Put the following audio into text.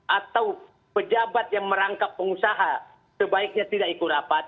atau pejabat yang merangkap pengusaha sebaiknya tidak ikut rapat